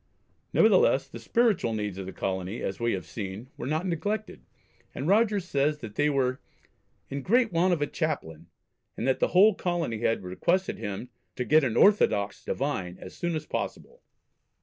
Nevertheless the spiritual needs of the colony, as we have seen, were not neglected, and Rogers says that they were "in great want of a Chaplain," and that the whole colony had requested him "to get an orthodox divine as soon as possible."